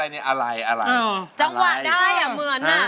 เป็นเพลงอะไรอะไรอะไรอะไรมึง